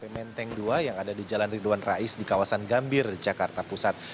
menteng dua yang ada di jalan ridwan rais di kawasan gambir jakarta pusat